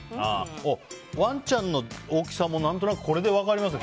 ワンちゃんの大きさも何となくこれで分かりますね。